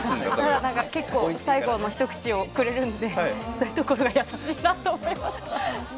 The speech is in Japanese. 結構、最後の一口をくれるんで、そういうところが優しいなと思いました。